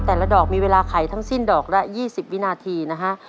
แต่ละดอกมีเวลาไขทั้งสิ้นดอกละ๒๐วินาทีนะฮะ